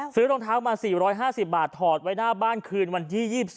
รองเท้ามา๔๕๐บาทถอดไว้หน้าบ้านคืนวันที่๒๒